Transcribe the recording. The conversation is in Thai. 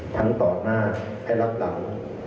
ต่อหน้าให้รับหลัง